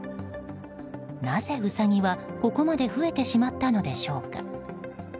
なぜウサギは、ここまで増えてしまったのでしょうか。